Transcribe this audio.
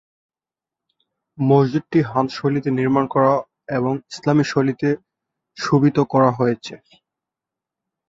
মসজিদটি হান শৈলীতে নির্মাণ করা এবং ইসলামী শৈলীতে শোভিত করা হয়েছে।